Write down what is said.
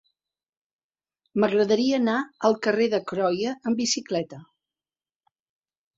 M'agradaria anar al carrer de Croia amb bicicleta.